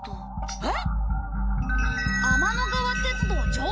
えっ！